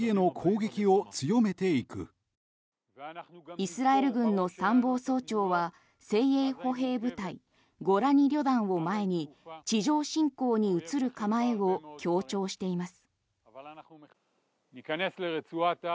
イスラエル軍の参謀総長は精鋭歩兵部隊ゴラニ旅団を前に地上侵攻に移る構えを強調しています。